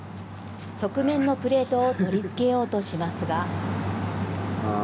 側面のプレートを取り付けようとしますが。